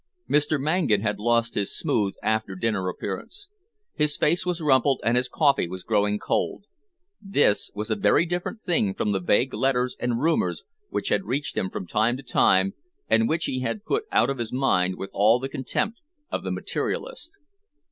Mr. Mangan had lost his smooth, after dinner appearance. His face was rumpled, and his coffee was growing cold. This was a very different thing from the vague letters and rumours which had reached him from time to time and which he had put out of his mind with all the contempt of the materialist.